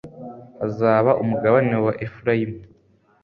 hazaba umugabane wa Efurayimu